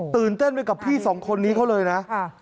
ตื่นเต้นไปกับพี่สองคนนี้เขาเลยนะ